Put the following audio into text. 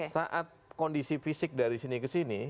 saat kondisi fisik dari sini ke sini